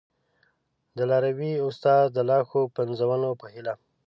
د لاروي استاد د لا ښو پنځونو په هیله!